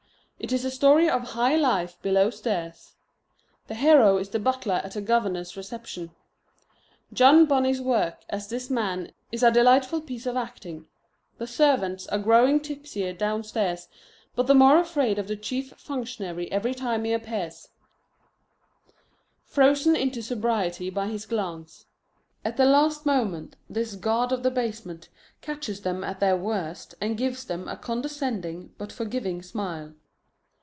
It is a story of high life below stairs. The hero is the butler at a governor's reception. John Bunny's work as this man is a delightful piece of acting. The servants are growing tipsier downstairs, but the more afraid of the chief functionary every time he appears, frozen into sobriety by his glance. At the last moment this god of the basement catches them at their worst and gives them a condescending but forgiving smile.